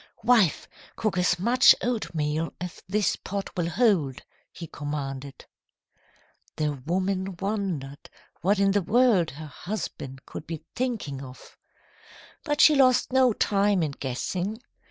"'Wife, cook as much oatmeal as this pot will hold,' he commanded. "The woman wondered what in the world her husband could be thinking of. But she lost no time in guessing.